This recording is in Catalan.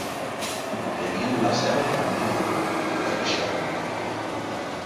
Tenien la seu a Newbury, Berkshire.